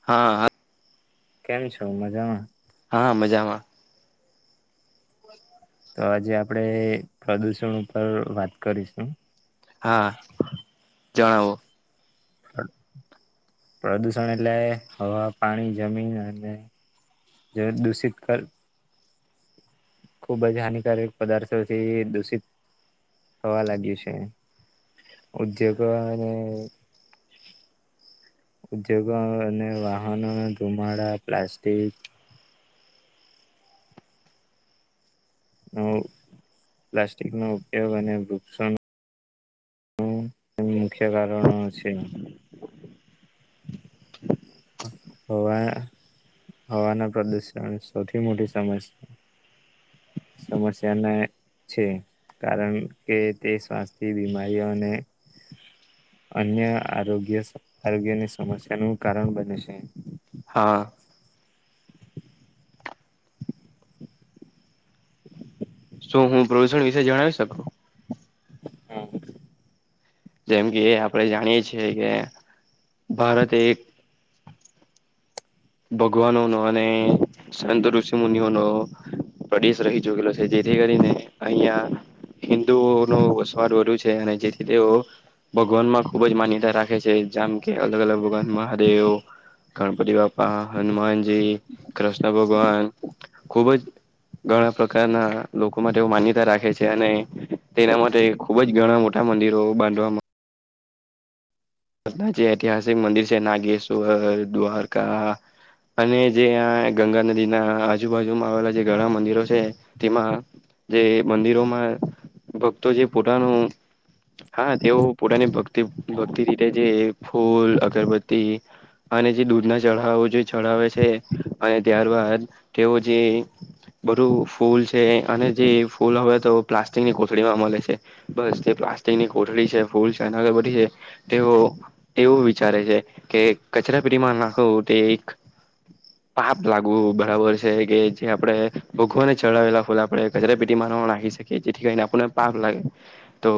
હાઆં. કેમ છો? મજામાં. હા મજામાં. બોલ આજે આપડણે ખાધું સું ઉપર વાત કરીશું. હા, જણાવો. પ્રદુષણ એટલે હવા પાણી જમીન અને જળ દૂષિત ખર ખુબ જ હાનિકારક પદાર્થો જે દૂષિત થવા લાગ્યું છે. ઉદ્યોગ અને ઉદ્યોગો અને વાહનોના ધુમાડા પ્લાસટીક પ્લાસ્ટિકનો ઉપયોગ અને વૃક્ષો એ મુખ્ય કારણો છે. હવે હવાના પ્રદુષણ સૌથી મોટી સમસ્યા સમસ્યાને છે, કારણ કે તે શ્વાસથી બીમારીઓને અન્ય આરોગ્ય આરોગ્યની સમસ્યાનું કારણ બને છે. હા. શું હું પ્રદૂષણ વિશે જણાવી શકું? હા. જેમ કે આપણેે જાણીએ છીએ કે ભારત એક ભગવાનોનો અને સંત ઋષિ મુનિઓનો પ્રદેશ રહી ચુકેલો છે, જેથી કરીને અહિયાં હિન્દુઓનો વસવાટ વધુ છે, અને જેથી તેઓ ભગવાનમાં ખુબ જ માન્યતા રાખે છે, જામ કે અલગ અલગ ભગવાન મહાદેવ ગણપતિ બા પા હનુમાનજી, કૃષ્ણ ભગવાન ખુબ જ ઘણા પ્રકારના લોકો માટે માન્યતા રાખે છે, અને તેના મટે ખુબ જ ઘણા મોટા મંદિરો બાંધવાવામાં જે ઐતિહાસિક મંદિર છે, નાગેશ્વર, દ્ધારકા અને જે આ ગંગા નદીના આજુબાજુમાં આવેલા જે ઘણા મંદિરો છે, તેમાં જે મંદિરોમાં ભક્તો જે પોતાનું હા તેઓ પોતાની ભક્તિ ભક્તિ રીતે જે ફૂલ અગરબત્તી અને જે દૂધ ના ચઢાવો જે ચઢાવે છે, અને ત્યારબાદ તેઓ જે બધું ફૂલ છે, અને જે ફૂલ હવે તો પ્લાસ્ટિકની કોથળીમાં મલે છે. બસ તે પ્લાસ્ટિકની કોઠળ છે, ફૂલ છે, [unintelligible] બધી જાય તેવો એવું વિચારે છે, કે કચરા પેટીમાં નાખો તે એક પાપ લાગવું બરાબર છે, કે જે આપડે ભોગવાને ચડાવેલા ફૂલ આપડે કચરાપેટીમાં ન રાખી શ કે જેથી કરીને આપણને પાક લાગે તો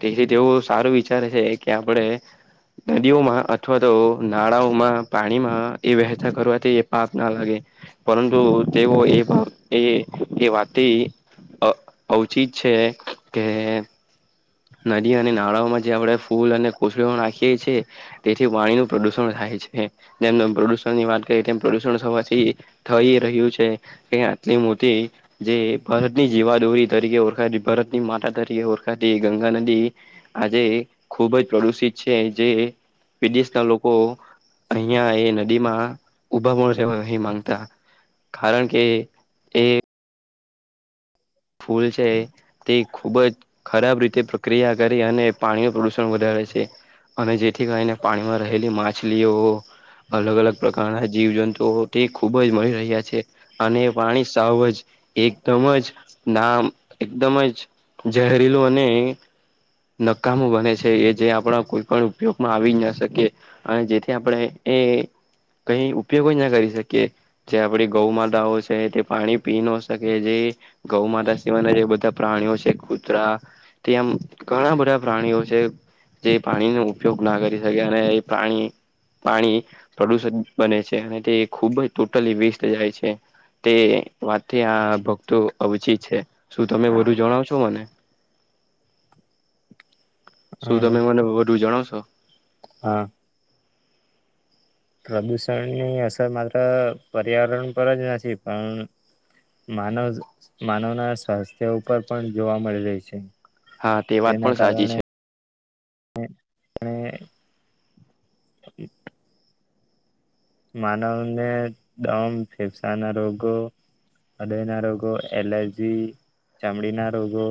તેથી તેવું સારું વિચારે છે. કે આપડે નદીઓમાં અથવા તો નાળાઓમાં પાણીમાં એ વહેતા કરવાથી એ પાપ ના લાગે પરંતુ તેઓ એ એ એ વાતે અ ઔચીત છે, કે નદી અને નાળાઓમાં જે આપણે ફૂલ અને કોથળીઓ નાખીએ છે. તેથી પાણીનું પ્રદુષણ થાય છે, જેમ પ્રદુષણ વાત કરીએ તેમ પ્રદુષણ થવાથી થઈ રહ્યું છે. એ આટલી મોતી જે ભારતની જીવાદોરી તરીકે ઓળખાય ભારત માતા તરીકે ઓળખાતી ગંગા નદી આજે ખુબ જ પ્રદુષિત છે, જે વિદેશના લોકો અહિયાં એ નદી માં ઉભા મળશે અહી માંગતા. કારણ કે એ ફૂલ છે તે ખુબ જ ખરાબ રીતે પ્રક્રિયા કરી અને પાણીનું પ્રદુષણ વધારે છે. અને જેથી કરીને પાણીમાં રહેલી માછલીઓ અલગ અલગ પ્રકારના જીવ જંતુઓ તે ખુબ જ મળી રહ્યા છે. અને પાણી સાવ જ એકદમ જ નામ એકદમ જ ઝહેરીલું અને નકામો બને છે એ જે આપડા કોઈ પણ ઉપયોગમાં આવી જ ના શકીએ. અને જેથી આપણે એ કઈ ઉપયોગો જ ના કરી શકીએ. જે આપડી ગૌ માતાઓ છે તે પાણી પી નો શકે જે ગૌ માતા સિવાના જે બધા પ્રાણીઓ છે કૂતરા તેમ ઘણા બધા પ્રાણીઓ છે જે પ્રાણીનો ઉપયોગ ના કરી શકે અને એ પ્રાણી પાણી પ્રદુષિત બને છે અને તે ખુબ જ ટોટલી વેસ્ટ જાય છે. તે વાતથી આ ભક્તો અવચ શું તમે વધુ જણાવ છો મને? શું હા તમે મને વધુ જણાવશો? હા. પ્રદૂષણની અસર માત્ર પર્યાવરણ પર જ નથી પણ માનવ માનવના સ્વાસ્થ્ય ઉપર પણ જોવા મળી રહી છે. હા તે વાત તેના પણ સાચી છે કારણે હે અને હમ્મ. માનવને દમ ફેફસાના રોગો હૃદય ના રોગો એલર્જી ચામડી ના રોગો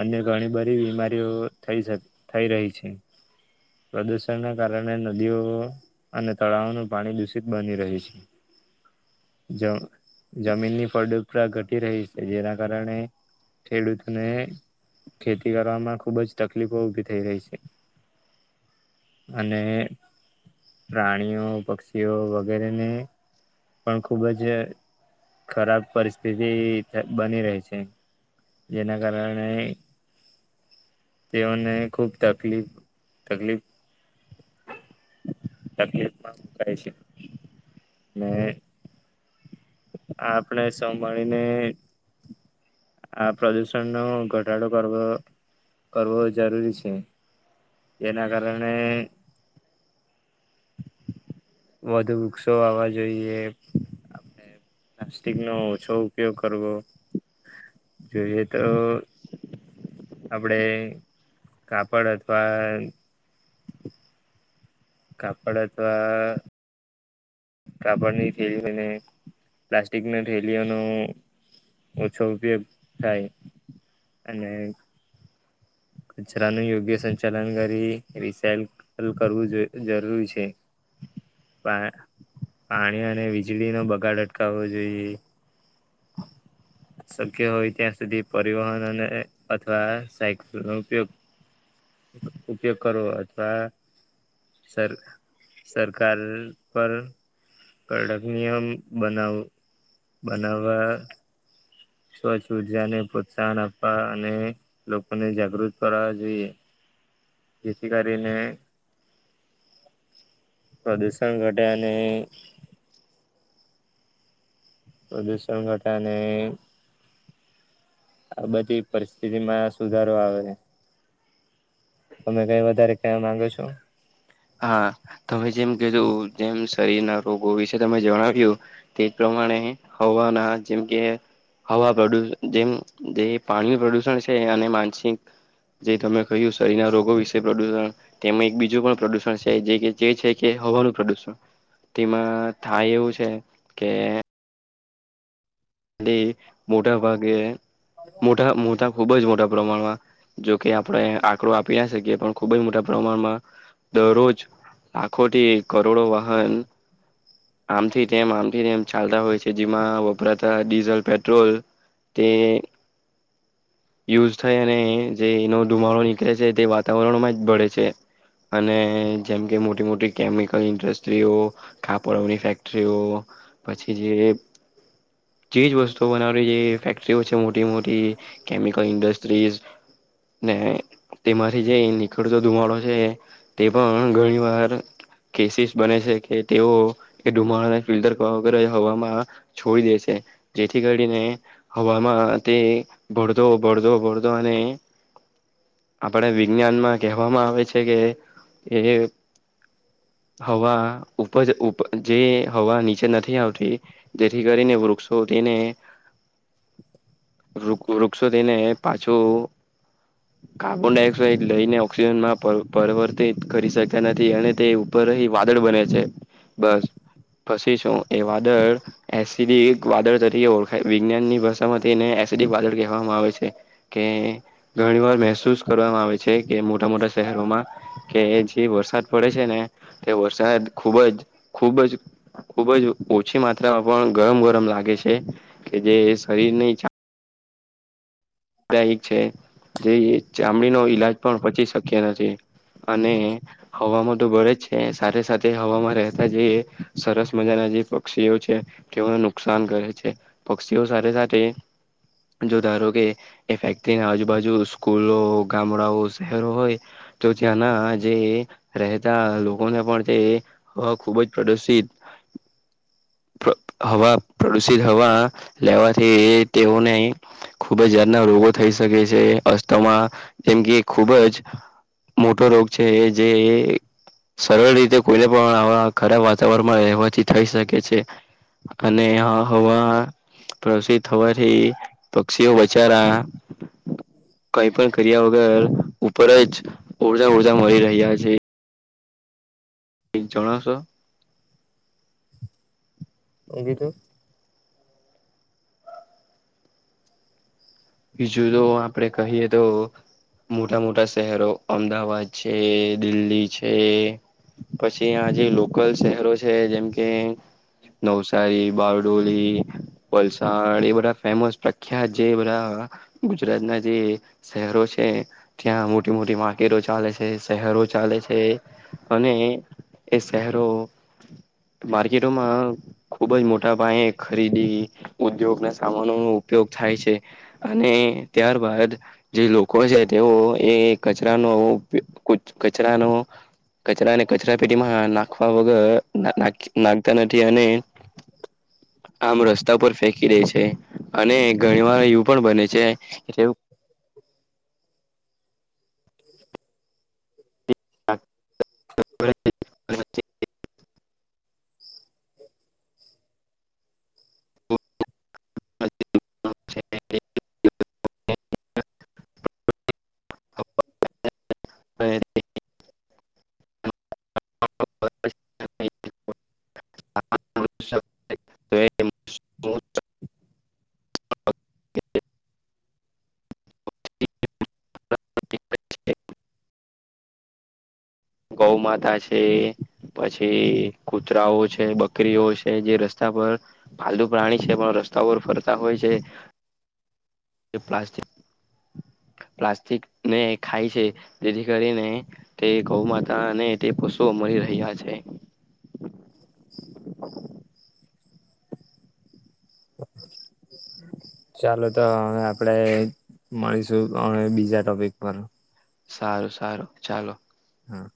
અન્ય ઘણી બધી બીમારીઓ થઈ શક થઈ રહી છે. પ્રદુષણ ના કારણે નદીઓ અને તળાવનું પાણી દુષિત બની રહી છે. જ-જમીનની પ્રડ્રીક ઘટી રહી છે જેના કારણે ખેડૂતને ખેતી કરવામાં ખુબ જ તકલીફો ઉભી થઈ રહી છે. અને પ્રાણીઓ પક્ષીઓ વગેરેને પણ ખુબ જ ખરાબ પરિસ્થિતિ બની રહી છે. જેના કારણે તે ઓને ખૂબ તકલીફ તકલીફ તકલીફમાં હું કરે છે? ને આપણે સંભાળીને આ પ્રદૂષણ નું ઘટાડો કરવો કરવો જરૂરી છે. એના કારણે વધુ વૃક્ષો વાવવા જોઈએ પ્લાસ્ટિક નો ઓછો ઉપયોગ કરવો. જોઈએ તો આપડે કાપડ અથવા કાપડ અથવા કાપડની થેલીઓને પ્લાસ્ટિકની થેલીઓનો ઓછો ઉપયોગ થાય અને કચરા નુ યોગ્ય સંચાલન કરી રિસેલ કર-કરવું જ-જરૂરી છે. પા પાણી અને વીજળી નો બગાડ અટકાવવો જોઈએ. શક્ય હોય ત્યાં સુધી પરિવહન અને અથવા સાયક નો ઉપયોગ ઉપયોગ કરવો અથવા, સર સરકાર પર, કડક નિયમ બનાવ બનાવા, સ્વચ્છ ઉર્જા ને પ્રોત્સાહન આપવા અને લોકોને જાગૃત કરવા જોઈએ. જેથી કરીને, પ્રદુષણ ઘટે અને, પ્રદૂષણ ઘટાને, આ બધી પરિસ્થિતિ માં સુધારો આવે હે. તમે કઈ વધારે કેવા માંગો છો? હા તમે જેમ કીધું જેમ શરીર ના રોગો વિશે તમે જણાવ્યું. તે પ્રમાણે હવાના જેમ કે, હવા પ્રદુષ જેમ જે પાણી પ્રદુષણ છે અને માનસિક, જે તમે કહ્યું શરીર ના રોગો વિશે પ્રદુષણ તેમ એક બીજું પણ પ્રદુષણ, જે છે કે હવાનું પ્રદુષણ, તિમાં થાય એવું છે કે, તે મોટા, ભાગે મોટા મોટા, ખુબ જ મોટા પ્રમાણમાં જોકે આપણે આંકડો આપી ના શકીએ પણ ખુબ જ મોટા પ્રમાણમાં, દરરોજ આખો થી કરોડો વાહન. આમથી તેમ આમથી તેમ ચાલતા હોય છે જેમાં વપરાતા ડીઝલ-પેટ્રોલ, તે. યુઝ થાય અને જેનો ધુમાડો નીકળે છે તે વાતાવરણમાં જ ભળે છે. અને જેમ કે મોટી મોટી કેમિકલ ઇન્ડસ્ટ્રીઓ, કાપડો ની ફેક્ટરીઓ પછી જે, ચીજ વસ્તુઓ બનાવવી જે ફેક્ટરીઓ છે મોટી મોટી, કેમિકલ ઇન્ડસ્ટ્રીઝ ને તેમાંથી જે નીખડતો ધુમાડો છે, તે પણ ઘણી વાર, કેસીસ બને છે કે તેઓ એ ધુમાડાને ફિલ્ટર કરવા વગર હવામાં, છોડી દેશે જેથી કરીને હવામાં તે, ભળદો ભળદો ભળદો અને, આપણે વિજ્ઞાનમાં કહેવામાં આવે છે કે એ, હવા ઉપ જે હવા નીચે નથી આવતી, જેથી કરીને વૃક્ષો તેને, [inaudible] વૃક્ષો તેને પાછું, [inaudible] કાર્બન ડાયોક્સાઇડ લઈને ઓક્સિજનમાં પર પરિવર્તિત કરી શક્યા નથી અને તે, પર એ વાદળ બને છે બસ પછી શું તે વાદળ, એસિડ એ વાદળ તરીકે ઓળખાય વિજ્ઞાનની ભાષામાં તેને એસિડ વાદળ, કેહવામાં આવે છે કે ઘણી વાર મહેસૂસ કરવામાં આવે છે કે મોટા મોટા, શહેરોમાં, કે જે વરસાદ પડે ને તે વરસાદ ખૂબ જ ખૂબ જ, ખુબ જ ઓછી માત્રામાં પણ ગરમ ગરમ લાગે છે, કે જે શરીર ને, એક છે જે ચામડીનો ઈલાજ પણ પછી શક્ય નથી. અને, હવામાં તો બળે છે, સાથે સાથે હવામાં રહેતા જે સરસ મજાના જે પક્ષીઓ છે. તેઓને નુકસાન કરે છે, પક્ષીઓ સાથે સાથે જો ધારો કે એ ફેક્ટરીના આજુબાજુ સ્કૂલો, ગામડાઓ, શહેરો હોય તો ત્યાંના જે રહેતા લોકોને પણ તે હ ખુબ જ પ્રદૂષિત હવા પ્રદુષિત હવા લેવાથી તેઓને બજારના રોગો થઈ શકે છે, અસ્થમા જેમ કે ખુબ જ મોટો રોગ છે, જે સરળ રીતે કોઈને પણ આવા ખરાબ વાતાવરણમાં રહેવાથી થઈ શકે છે. અને હા હવા પ્રસી થવાથી પક્ષીઓ બચારા કઈ પણ કર્યા વગર ઉપર જ ઓરજા ઓરજા મળી રહ્યા છે. [unintelligible] જણાવશો? હુ કીધું? બીજું તો આપડે કહીએ તો મોટા મોટા શહેરો અમદાવાદ છે, દિલ્હી છે. પછી આ જે લોકલ શહેરો છે, જેમ કે નવસારી, બારડોલી વલસાડ એ બધા ફેમસ પ્રખ્યાત જે બધા ગુજરાતના જે શહેરો છે. ત્યાં મોટી મોટી માર્કેટો ચાલે છે, શહેરો ચાલે છે, અને એ શહેરો માર્કેટોમાં ખુબ જ મોટા પાયે ખરીદી ઉદ્યોગના સામાનો નો ઉપયોગ થાય છે. અને ત્યારબાદ જે લોકો છે, તેઓ એ કચરાનો ઉપયો કચરાનો કચરાને કચરા પેટીમાં નાખ્યા વગર ના નાખતા નથી અને આમ રસ્તા પર ફેંકી દે છે, અને ઘણી વાર એ પણ બને છે, એટલે એવું [inaudible] [inaudible] [inaudible] ગૌમાતા છે. પછી કુતરાઓ છે, બકરીઓ છે, જે રસ્તા પર પાલતુ પ્રાણી છે, પણ રસ્તા પર ફરતા હોય છે, પ્લાસ્ટી પ્લાસ્ટિકને ખાય છે, જેથી કરીને તે ગૌ મા તા ને તે પશુઓ મળી રહ્યાં છે. [unintelligible] હ ચાલો તો હવે આપડે મળીશું [unintelligible] બીજા ટોપિક પર સારું સારું ચાલો હા.